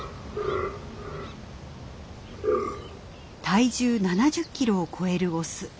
体重７０キロを超えるオス。